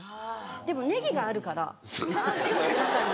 でもネギがあるから中に。